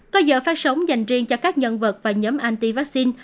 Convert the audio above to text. có giờ phát sóng dành riêng cho các nhân vật và nhóm anti vaccine